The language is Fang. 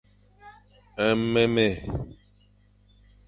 Nmémé.